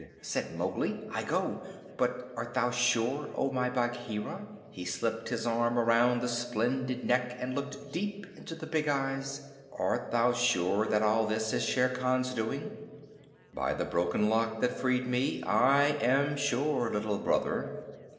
said Mowgli. "I go. But art thou sure, O my Bagheera" he slipped his arm around the splendid neck and looked deep into the big eyes "art thou sure that all this is Shere Khan's doing?" "By the Broken Lock that freed me, I am sure, Little Brother."